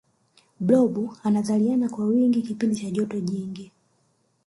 blob anazaliana kwa wingi kipindi cha joto jingi